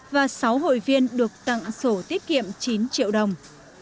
và sáu hội viên được tặng sổ tiết kiệm chín triệu đồng